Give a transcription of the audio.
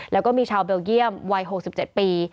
แล้วก็มีชาวเบลเยี่ยมวัย๖๗ปี